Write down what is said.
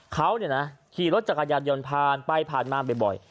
เขาขี่รถจักรยานยนต์ไปและไปมาเบเยอะเบ่ย